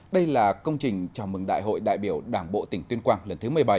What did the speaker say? đây là công trình chào mừng đại hội đại biểu đảng bộ tỉnh tuyên quang lần thứ một mươi bảy